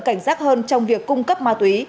cảnh giác hơn trong việc cung cấp ma túy